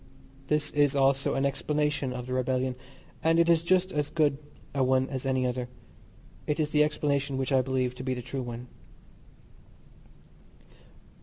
This is also an explanation of the rebellion, and is just as good a one as any other. It is the explanation which I believe to be the true one.